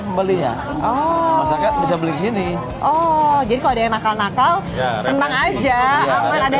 pembelinya masyarakat bisa beli di sini oh jadi kalau ada yang nakal nakal tentang aja ada